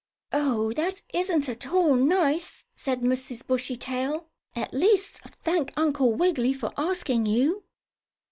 "Oh, that isn't at all nice," said Mrs. Bushy tail. "At least thank Uncle Wiggily for asking you."